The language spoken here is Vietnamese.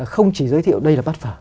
không chỉ giới thiệu đây là bát phở